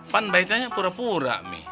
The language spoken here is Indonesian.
kan baikannya pura pura nih